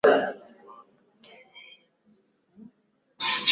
osheleza katika mahitaji ya kuujenga mwili wake